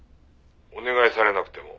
「お願いされなくても」